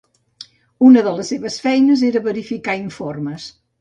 Una de les seves feines era verificar informes.